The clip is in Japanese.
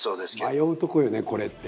「迷うとこよねこれって」